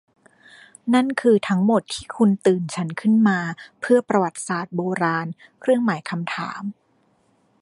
นั่นคือทั้งหมดที่คุณตื่นฉันขึ้นมาเพื่อประวัติศาสตร์โบราณ ?